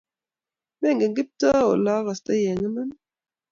Mengen Kiptoo ole akastoi eng' iman.